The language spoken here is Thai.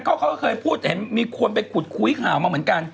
เขาก็เคยพูดเห็นมีคนไปขุดคุยข่าวมาเหมือนกัน